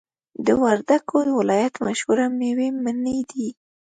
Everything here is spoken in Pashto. د وردګو ولایت مشهوره میوه مڼی دی